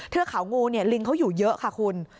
เทือกเขางูเนี่ยลิงเขาอยู่เยอะค่ะคุณ